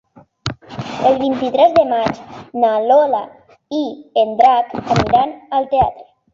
El vint-i-tres de maig na Lola i en Drac aniran al teatre.